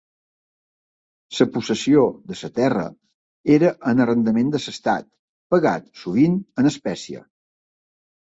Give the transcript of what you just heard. La possessió de la terra era en arrendament de l'estat pagat sovint en espècie.